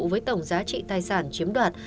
với tổng giá trị tài sản chiếm đoạt